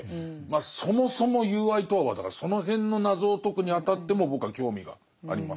そもそも友愛とはだからその辺の謎を解くにあたっても僕は興味があります。